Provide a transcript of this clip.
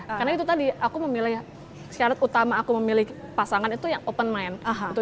karena itu tadi aku memilih syarat utama aku memilih pasangan itu yang open mind